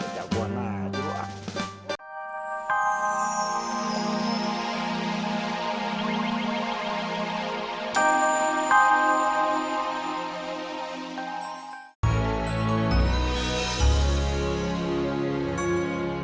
sampai jumpa lagi